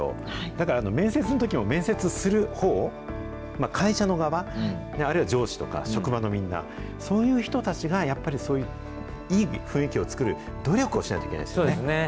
だから面接のときも、面接するほう、会社の側、あるいは上司とか職場のみんな、そういう人たちがやっぱり、そういういい雰囲気を作る努力をしないといけないですよね。